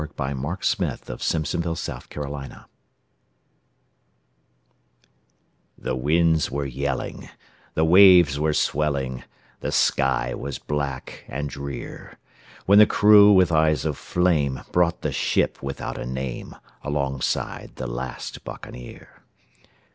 Thomas Babbington Macaulay The Last Buccaneer THE winds were yelling, the waves were swelling, The sky was black and drear, When the crew with eyes of flame brought the ship without a name Alongside the last Buccaneer.